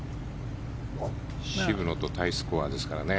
渋野とタイスコアですからね